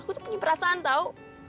aku punya perasaan tau